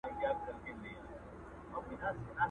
دا د قامونو د خپلویو وطن؛